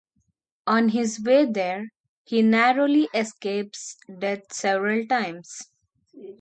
On his way there, he narrowly escapes death several times.